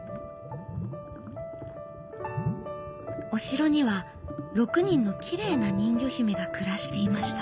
お城には６人のきれいな人魚姫が暮らしていました。